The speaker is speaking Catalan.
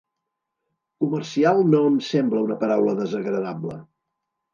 Comercial no em sembla una paraula desagradable.